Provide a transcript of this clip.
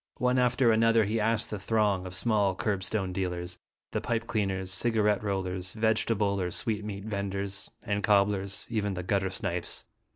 One after another he asked the throng of small curbstone dealers, the pipe cleaners, cigarette rollers, vegetable or sweetmeat venders, and cobblers, even the gutter snipes.